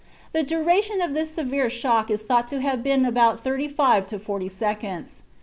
The duration of this severe shock is thought to have been from thirty five to forty seconds.